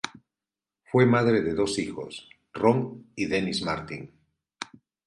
Fue madre de dos hijos Ron y Denis Martin.